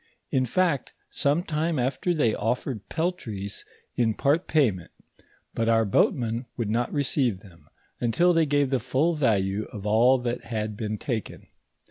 In fact, some time after they offered peltries in part payment ; but our boatmen would not receive them, until they gave the full value of all that had been taken.